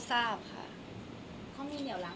คนเราถ้าใช้ชีวิตมาจนถึงอายุขนาดนี้แล้วค่ะ